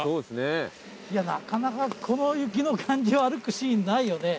いやなかなかこの雪の感じを歩くシーンないよね。